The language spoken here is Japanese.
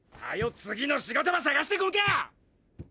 次の仕事ば探して来んか！